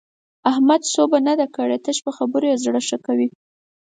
احمد سوبه نه ده کړې؛ تش په خبرو يې زړه ښه کوي.